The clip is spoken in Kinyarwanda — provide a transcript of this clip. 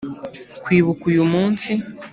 kwibuka uyu munsi.